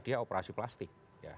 dia operasi plastik